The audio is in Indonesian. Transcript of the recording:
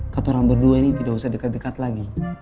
kata orang berdua ini tidak usah dekat dekat lagi